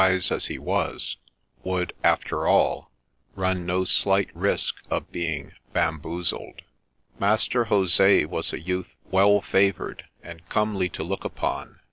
BOTHERBY'S STORY as he was, would, after all, run no slight risk of being ' bam boozled.' Master Jose was a youth well favoured, and comely to look upon.